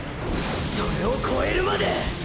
それをこえるまで！！